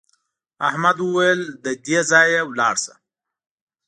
احمد وویل له دې ځایه لاړ شه.